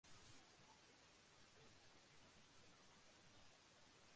সীতারাম তাহা বুঝিতে পারে নাই– সে উত্তর করিল, হাঁ মহারাজ।